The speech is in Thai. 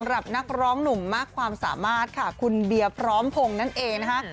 สำหรับนักร้องหนุ่มมากความสามารถค่ะคุณเดียพร้อมผงนั่นเองนะฮะ